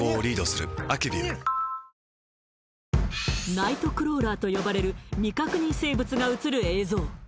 ナイトクローラーと呼ばれる未確認生物がうつる映像